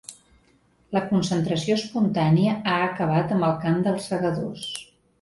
La concentració espontània ha acabat amb el cant de ‘Els segadors’.